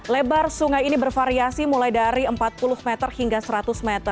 lebar sungai ini bervariasi mulai dari empat puluh meter hingga seratus meter